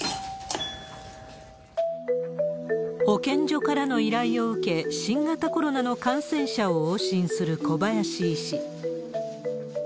保健所からの依頼を受け、新型コロナの感染者を往診する小林医師。